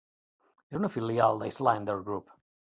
És una filial de Icelandair Group.